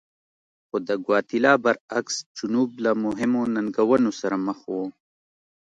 خو د ګواتیلا برعکس جنوب له مهمو ننګونو سره مخ و.